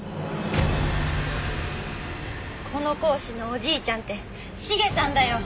この「講師のおじいちゃん」って茂さんだよ！